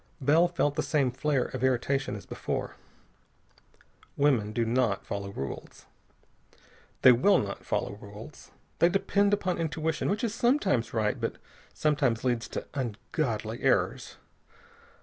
Bell felt the same flare of irritation as before. Women do not follow rules. They will not follow rules. They depend upon intuition, which is sometimes right, but sometimes leads to ungodly errors.